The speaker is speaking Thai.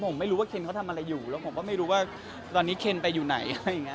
ผมไม่รู้ว่าเคนเขาทำอะไรอยู่แล้วผมก็ไม่รู้ว่าตอนนี้เคนไปอยู่ไหนอะไรอย่างนี้